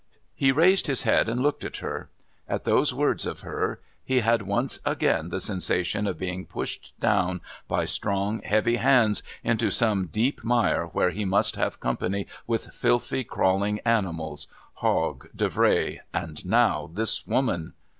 He raised his head and looked at her. At those words of hers he had once again the sensation of being pushed down by strong heavy hands into some deep mire where he must have company with filthy crawling animals Hogg, Davray, and now this woman....